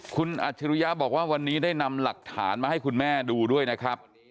คุณอัจฉริยะบอกว่าวันนี้ได้นำหลักฐานมาให้คุณแม่ดูด้วยนะครับ